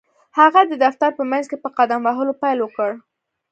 هغه د دفتر په منځ کې په قدم وهلو پيل وکړ.